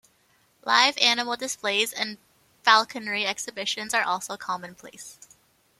Live animal displays and falconry exhibitions are also commonplace.